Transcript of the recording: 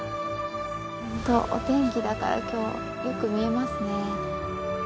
ホントお天気だから今日よく見えますね。